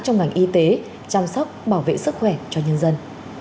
trong ngành y tế chăm sóc bảo vệ sức khỏe cho nhân dân